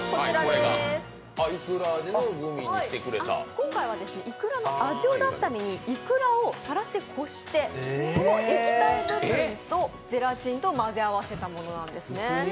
今回はいくらの味を出すために、いくらをさらしてこして、その液体部分とゼラチンと混ぜ合わせたものなんですね。